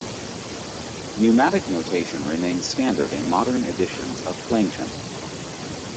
Neumatic notation remains standard in modern editions of plainchant.